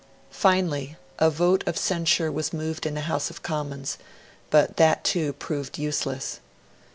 Finally, a vote of censure was moved in the House of Commons; but that too proved useless.